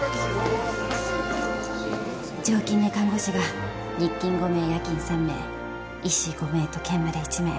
常勤で看護師が日勤５名夜勤３名医師５名と兼務で１名。